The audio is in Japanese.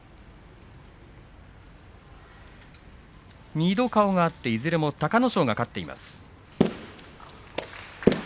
二度顔が合っていずれも隆の勝が勝っています。